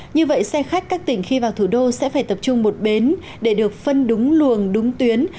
như vậy xe khách các tỉnh khi vào thủ đô sẽ phải tập trung một bến để được phân đúng luồng đúng tuyến